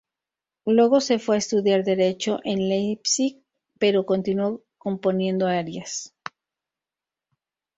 Luego se fue a estudiar Derecho en Leipzig, pero continuó componiendo arias.